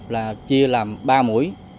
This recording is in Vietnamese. là chia làm ba mũi